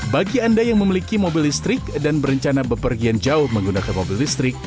bagi anda yang memiliki mobil listrik dan berencana bepergian jauh menggunakan mobil listrik